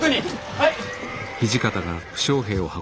はい！